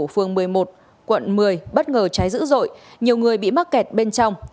phường một mươi một quận một mươi bất ngờ cháy dữ dội nhiều người bị mắc kẹt bên trong